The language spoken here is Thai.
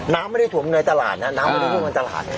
น้ำไม่ได้ถ่วงในตลาดนะน้ำไม่ได้ถูกในตลาด